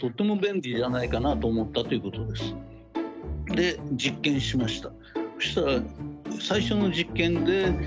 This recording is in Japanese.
で実験しました。